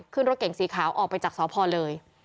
ขึ้นรถเก่งสีขาวออกไปจากสพเลย